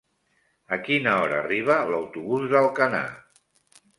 A quina hora arriba l'autobús d'Alcanar?